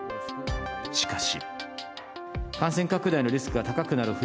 しかし。